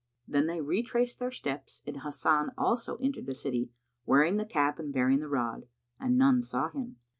Then they retraced their steps and Hasan also entered the city, wearing the cap and bearing the rod; and none saw him.